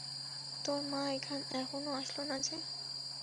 তোর মা এখনো আসলো না যে?